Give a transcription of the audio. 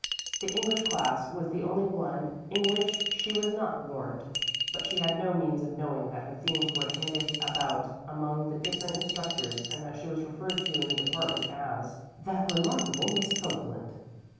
The English class was the only one in which she was not warned; but she had no means of knowing that her themes were handed about among the different instructors and that she was referred to in the department as "that remarkable Miss Copeland."